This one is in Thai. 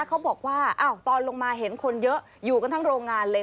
เขาบอกว่าตอนลงมาเห็นคนเยอะอยู่กันทั้งโรงงานเลย